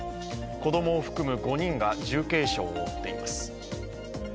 子どもを含む５人が重軽傷を負っています。